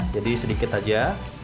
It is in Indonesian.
jadi sedikit aja